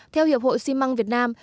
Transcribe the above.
theo hiệp hội xi măng việt nam